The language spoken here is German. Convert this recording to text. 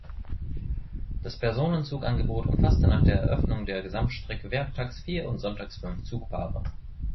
Das Personenzug-Angebot umfasste nach der Eröffnung der Gesamtstrecke werktags vier und sonntags fünf Zugpaare.